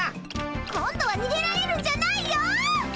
今度はにげられるんじゃないよ！